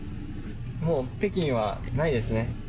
もう北京はないですね。